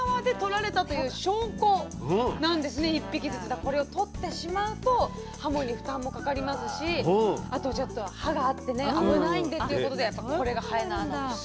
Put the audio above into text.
だからこれをとってしまうとはもに負担もかかりますしあとちょっと歯があってね危ないんでっていうことでこれが延縄の。